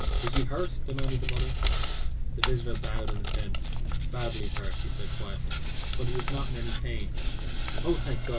"Is he hurt?" demanded the mother, wildly. The visitor bowed in assent. "Badly hurt," he said, quietly, "but he is not in any pain." "Oh, thank God!"